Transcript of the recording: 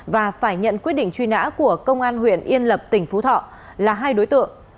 và phải nhận quyết định truy nã của công an huyện yên lập tỉnh phú thọ là hai đối tượng